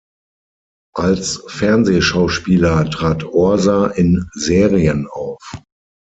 Als Fernsehschauspieler trat Orser in Serien auf.